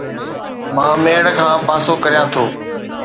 مان ميڙ کان پاسو ڪريان ٿو